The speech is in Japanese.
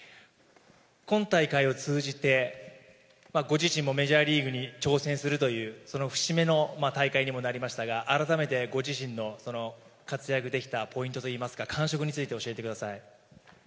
今大会を通じて、ご自身もメジャーリーグに挑戦するという、その節目の大会にもなりましたが、改めてご自身のその活躍できたポイントといいますか、感触について教えてください。